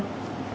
cảm ơn quý vị